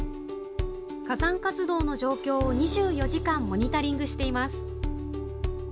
火山活動の状況を２４時間モニタリングしています。